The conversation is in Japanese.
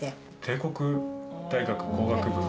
「帝国大学工学部」。